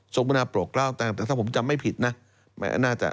สมบูรณาโปรดเกล้าแต่งแต่ถ้าผมจำไม่ผิดนะ